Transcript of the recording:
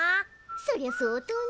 そりゃ相当ね。